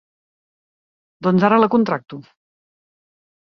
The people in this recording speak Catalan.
Doncs ara la contracto!